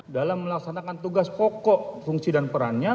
dalam melaksanakan tugas pokok fungsi dan perannya